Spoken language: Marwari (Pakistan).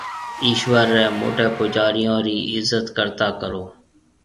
ايشوَر رَي موٽَي پُوجاريون رِي عزت ڪرتا ڪرو۔